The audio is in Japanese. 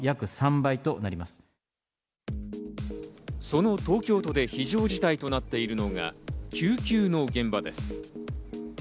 その東京都で非常事態となっているのが救急の現場です。